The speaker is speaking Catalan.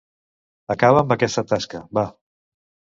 Acaba amb aquesta tasca, va.